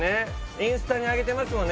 インスタに上げてますもんね